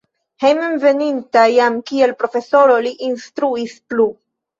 Hejmenveninta jam kiel profesoro li instruis plu.